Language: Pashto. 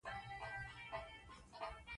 د صدېو خاموشۍ جمود مات شو.